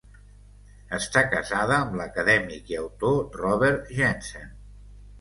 Està casada amb l'acadèmic i autor Robert Jensen.